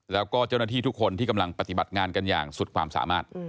แล้วก็เจ้าหน้าที่ทุกคนที่กำลังปฏิบัติงานกันอย่างสุดความสามารถ